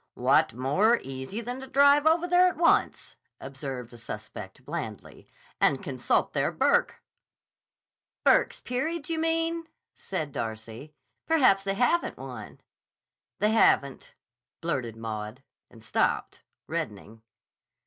"What more easy than to drive over there at once," observed the suspect blandly, "and consult their Burke." "Burke's Peerage, you mean?" said Darcy. "Perhaps they haven't one." "They haven't," blurted Maud, and stopped, reddening.